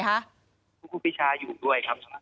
ครูพี่ชาอยู่ด้วยครับ